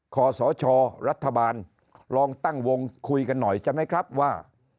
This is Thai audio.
ขอสชรัฐบาลลองตั้งวงคุยกันหน่อยใช่ไหมครับว่า